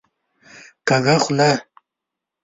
کږه خوله